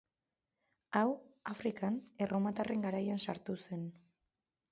Hau Afrikan erromatarren garaian sartu zen.